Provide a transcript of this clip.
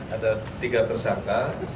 ada tiga tersangka